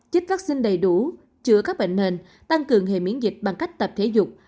chích vaccine đầy đủ chữa các bệnh nền tăng cường hệ miễn dịch bằng cách tập thể dục